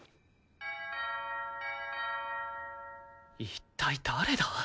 一体誰だ？